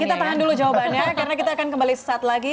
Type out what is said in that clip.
kita tahan dulu jawabannya karena kita akan kembali sesaat lagi